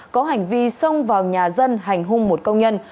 có hành vi xông vào nhà dân hành hung một công nhân